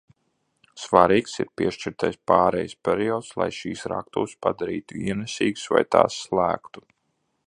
Svarīgs ir piešķirtais pārejas periods, lai šīs raktuves padarītu ienesīgas vai tās slēgtu.